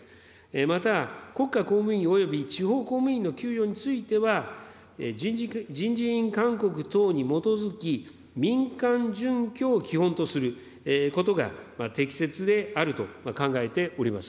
また国家公務員および地方公務員の給与については、人事院勧告等に基づき、民間準拠を基本とすることが適切であると考えております。